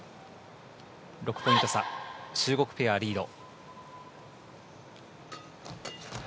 ６ポイント差、中国ペアリード。